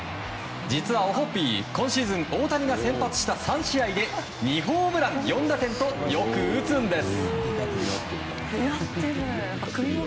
実は、オホッピー今シーズン大谷が先発した３試合で２ホームラン４打点とよく打つんです。